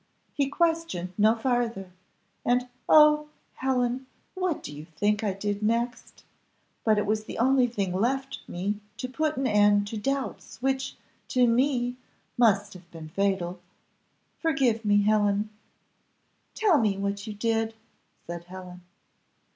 He questioned no farther: and oh! Helen, what do you think I did next? but it was the only thing left me to put an end to doubts, which, to me, must have been fatal forgive me, Helen!" "Tell me what you did," said Helen.